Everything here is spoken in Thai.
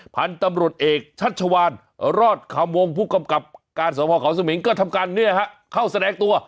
พันธุ์ตำรวจเอกชัชวานรอดคำวงผู้กำกับการสภเขาสมิงก็ทำการเข้าแสดงตัว